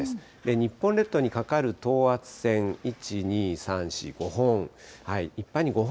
日本列島にかかる等圧線、１、２、３、４、５本。